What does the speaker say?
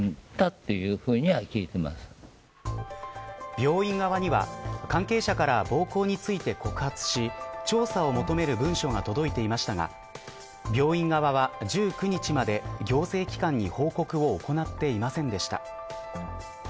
病院側には、関係者から暴行について告発し調査を求める文書が届いていましたが病院側は１９日まで行政機関に報告を行っていませんでした。